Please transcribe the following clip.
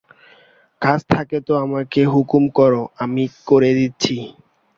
কাজ থাকে তো আমাকে হুকুম করো, আমি করে দিচ্ছি।